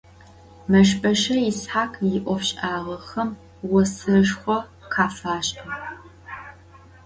Meşbeş'e Yishakh yi'ofş'ağexem voseşşxo khafaş'ığ.